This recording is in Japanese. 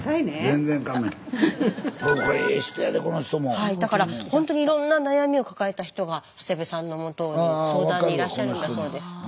はいだからほんとにいろんな悩みを抱えた人が長谷部さんのもとに相談にいらっしゃるんだそうです。